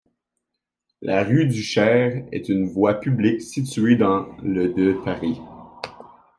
La rue du Cher est une voie publique située dans le de Paris.